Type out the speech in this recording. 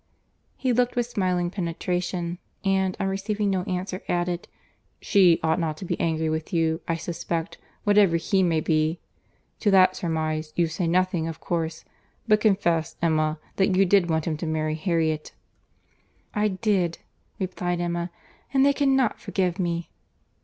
He looked with smiling penetration; and, on receiving no answer, added, "She ought not to be angry with you, I suspect, whatever he may be.—To that surmise, you say nothing, of course; but confess, Emma, that you did want him to marry Harriet." "I did," replied Emma, "and they cannot forgive me."